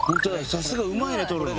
さすがうまいね撮るの。